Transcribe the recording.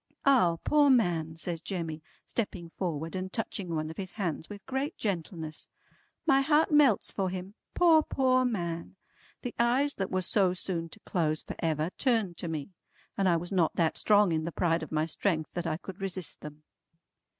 "Ah poor man!" says Jemmy stepping forward and touching one of his hands with great gentleness. "My heart melts for him. Poor, poor man!" The eyes that were so soon to close for ever turned to me, and I was not that strong in the pride of my strength that I could resist them.